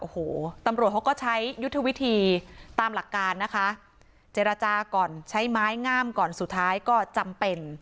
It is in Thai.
โอ้โหตำรวจเขาก็ใช้ยุทธวิธีตามหลักการนะคะเจรจาก่อนใช้ไม้งามก่อนสุดท้ายก็จำเป็น